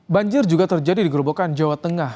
banjir juga terjadi di gerobokan jawa tengah